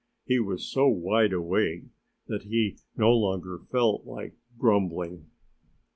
He was so wide awake that he no longer felt like grumbling.